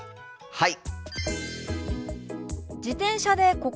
はい！